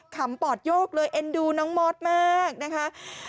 ขำปอดโยกเลยเอ็นดูน้องมอสมากนะคะ